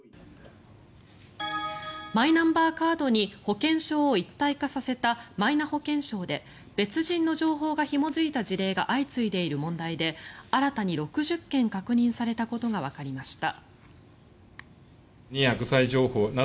マイナンバーカードに保険証を一体化させたマイナ保険証で別人の情報がひも付いた事例が相次いでいる問題で新たに６０件確認されたことがわかりました。